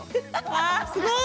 わあすごい！